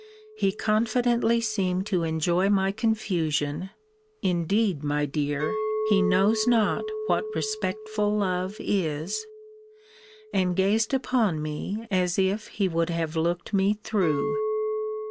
He confidently seemed to enjoy my confusion [indeed, my dear, he knows not what respectful love is!] and gazed upon me, as if he would have looked me through.